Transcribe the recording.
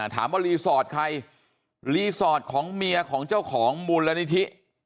ถามว่ารีสอร์ทใครรีสอร์ทของเมียของเจ้าของมูลนิธิ